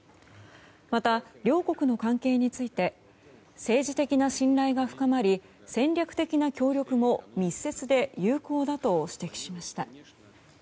また、両国の関係について政治的な信頼が深まり戦略的な協力も密接で有効だと指摘しました。